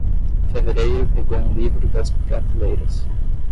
Fevereiro pegou um livro das prateleiras.